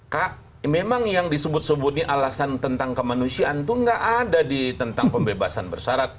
kak memang yang disebut sebut ini alasan tentang kemanusiaan itu nggak ada di tentang pembebasan bersyarat